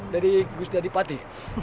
dari gusti adipati